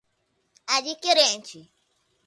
adquirente